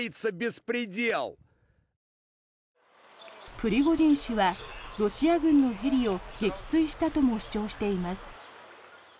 プリゴジン氏はロシア軍のヘリを撃墜したとも主張しています。